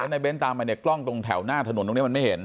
ในเน้นตามไปเนี่ยกล้องตรงแถวหน้าถนนตรงนี้มันไม่เห็น